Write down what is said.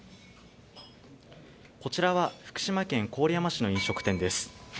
こちらは福島県郡山市の飲食店です。